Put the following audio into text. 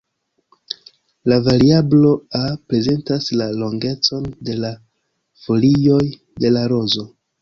La variablo "a" prezentas la longecon de la folioj de la rozo.